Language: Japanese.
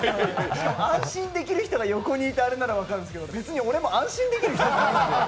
安心できる人が横にいてあれなら分かるんですけど、別に俺も安心できる人じゃないんですよ。